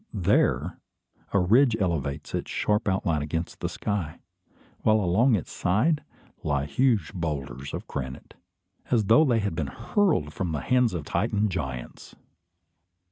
There, a ridge elevates its sharp outline against the sky; while along its side, lie huge boulders of granite, as though they had been hurled from the hands of Titan giants!